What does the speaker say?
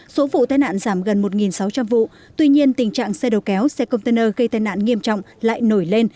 số vụ tai nạn giảm gần một sáu trăm linh vụ tuy nhiên tình trạng xe đầu kéo xe container gây tai nạn nghiêm trọng lại nổi lên